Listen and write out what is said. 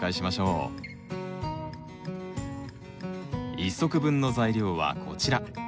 １足分の材料はこちら。